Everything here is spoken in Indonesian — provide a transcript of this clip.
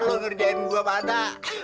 lo ngerjain gua mata